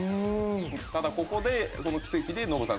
ただここでこの奇跡でノブさん。